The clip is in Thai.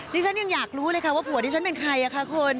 ฉันยังอยากรู้เลยค่ะว่าผัวที่ฉันเป็นใครคะคุณ